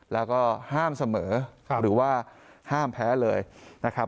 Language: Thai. แล้วก็ห้ามเสมอหรือว่าห้ามแพ้เลยนะครับ